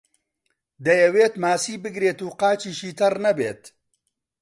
دەیەوێت ماسی بگرێت و قاچیشی تەڕ نەبێت.